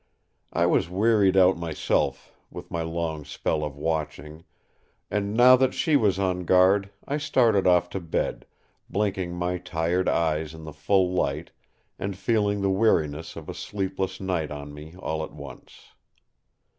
I was wearied out myself with my long spell of watching; and now that she was on guard I started off to bed, blinking my tired eyes in the full light and feeling the weariness of a sleepless night on me all at once.